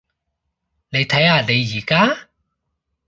你睇下你而家？